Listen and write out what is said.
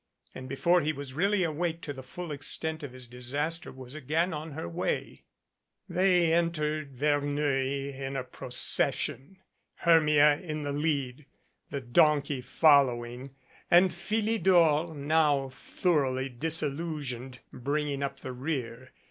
And before he was really awake to the full extent of his disaster was again on her way. 186 A PHILOSOPHER IN A QUANDARY They entered Verneuil in a procession, Hermia in the lead, the donkey following, and Philidor, now thoroughly disillusioned, bringing up the rear.